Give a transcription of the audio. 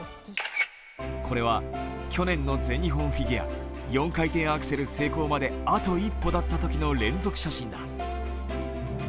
これは去年の全日本フィギュア、４回転アクセル成功まであと一歩だったときの連続写真だ。